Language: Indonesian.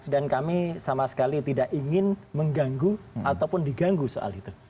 dan kami sama sekali tidak ingin mengganggu ataupun diganggu soal itu